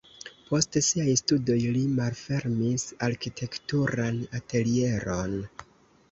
Post siaj studoj li malfermis arkitekturan atelieron.